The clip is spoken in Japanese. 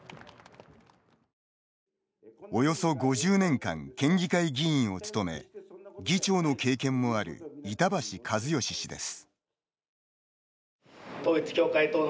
およそ５０年間県議会議員を務め議長の経験もある板橋一好氏です。